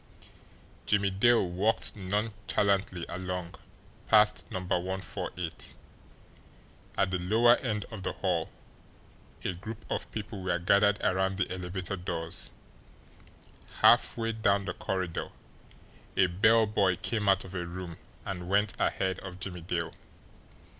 Jimmie Dale walked nonchalantly along past No. 148. At the lower end of the hall a group of people were gathered around the elevator doors; halfway down the corridor a bell boy came out of a room and went ahead of Jimmie Dale.